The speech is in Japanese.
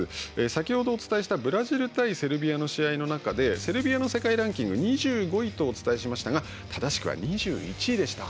先ほどお伝えしたブラジル対セルビアの試合の中でセルビアの世界ランキング２５位とお伝えしましたが正しくは２１位でした。